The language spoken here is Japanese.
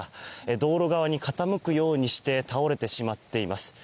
道路側に傾くようにして倒れてしまっています。